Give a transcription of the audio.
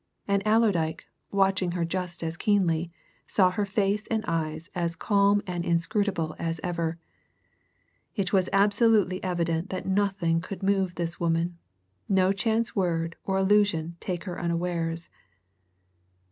And Allerdyke, watching her just as keenly, saw her face and eyes as calm and inscrutable as ever; it was absolutely evident that nothing could move this woman, no chance word or allusion take her unawares.